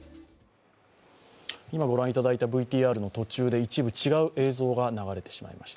今ご覧いただいたＶＴＲの中で一部違う映像が流れてしまいました。